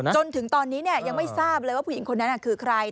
จนถึงตอนนี้ยังไม่ทราบเลยว่าผู้หญิงคนนั้นคือใคร